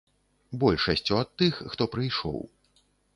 Большасцю ад тых, хто прыйшоў.